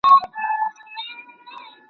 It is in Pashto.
ټولنپوهنه د ټولنیز ژوند د پوهېدو لاره ده.